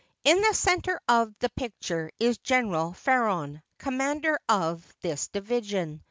In the center of the picture is General Faron, commander of this division.